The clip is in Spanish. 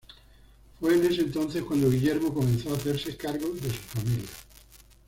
Fue en ese entonces cuando Guillermo comenzó a hacerse cargo de su familia.